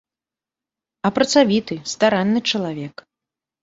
А працавіты, старанны чалавек.